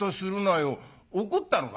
怒ったのか？」。